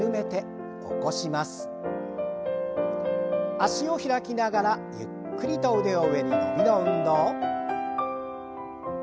脚を開きながらゆっくりと腕を上に伸びの運動。